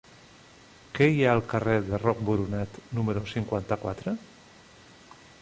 Què hi ha al carrer de Roc Boronat número cinquanta-quatre?